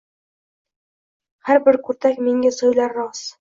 Har bir kurtak menga so’ylar roz